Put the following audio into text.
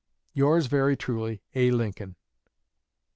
Yours very truly, A. LINCOLN.